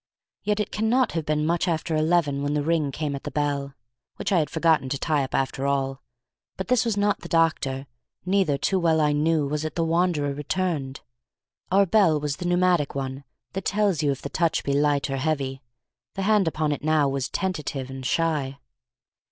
Yet it cannot have been much after eleven when the ring came at the bell, which I had forgotten to tie up after all. But this was not the doctor; neither, too well I knew, was it the wanderer returned. Our bell was the pneumatic one that tells you if the touch be light or heavy; the hand upon it now was tentative and shy.